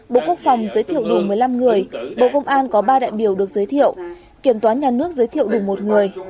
bộ quốc phòng giới thiệu đủ một mươi năm người bộ công an có ba đại biểu được giới thiệu kiểm toán nhà nước giới thiệu đủ một người